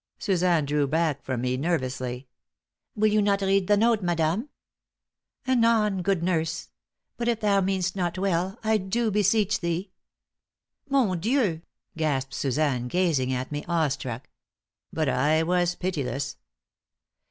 Suzanne drew back from me nervously. "Will you not read the note, madame?" "Anon, good nurse! But if thou mean'st not well, I do beseech thee " "Mon Dieu!" gasped Suzanne, gazing at me, awe struck. But I was pitiless.